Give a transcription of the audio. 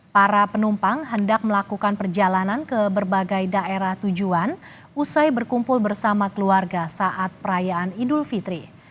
para penumpang hendak melakukan perjalanan ke berbagai daerah tujuan usai berkumpul bersama keluarga saat perayaan idul fitri